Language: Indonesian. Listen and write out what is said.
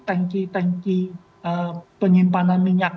bahwa ada bekan toko potongan